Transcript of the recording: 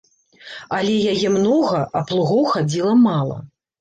Але яе многа, а плугоў хадзіла мала.